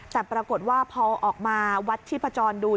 แต่ปรากฏว่าพอออกมาวัดชีพจรดู